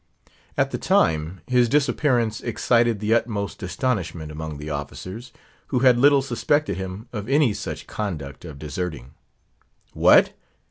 At the time, his disappearance excited the utmost astonishment among the officers, who had little suspected him of any such conduct of deserting. "What?